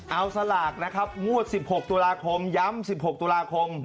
เอาสลากนะครับงวด๑๖ตุลาคมย้ำ๑๖ตุลาคม